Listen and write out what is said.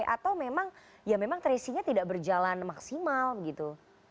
atau memang tracingnya tidak berjalan maksimal gitu